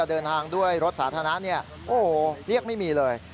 เดินทางด้วยรถสาธารณะเนี่ยโอ้โหเรียกไม่มีเลย